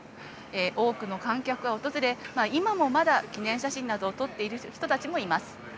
多くの観客が訪れ、今もまだ記念写真などを撮っている人たちもいます。